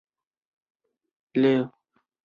亚兹德省是伊朗三十一个省份之一。